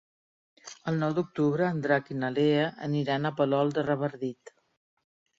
El nou d'octubre en Drac i na Lea aniran a Palol de Revardit.